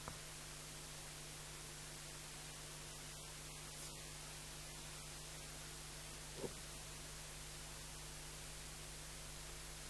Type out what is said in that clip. আইএসকে দমাতে বৃহত্তর সমর্থন তৈরি করতে জাতিসংঘের ভেতরে কাজ করবে তারা।